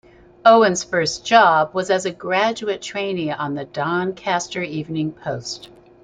Owen's first job was as a graduate trainee on the "Doncaster Evening Post".